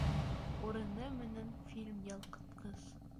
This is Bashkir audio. Урыны менән фильм ялҡытҡыс